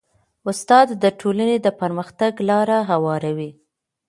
استاد د ټولنې د پرمختګ لاره هواروي.